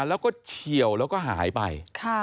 แล้วก็เฉียวแล้วก็หายไป